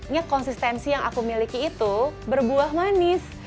ingat konsistensi yang aku miliki itu berbuah manis